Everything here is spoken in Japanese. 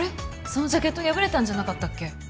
そのジャケット破れたんじゃなかったっけ？